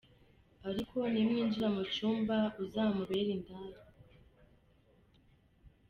Ariko nimwinjira mu cyumba uzamubere indaya.